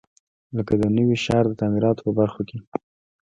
لکه د نوي ښار د تعمیراتو په برخو کې.